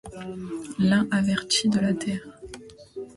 L'un avertit de la terre